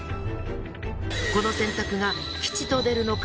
この選択が吉と出るのか？